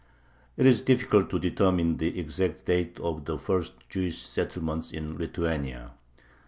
It is difficult to determine the exact date of the first Jewish settlements in Lithuania.